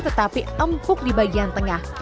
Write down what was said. tetapi empuk di bagian tengah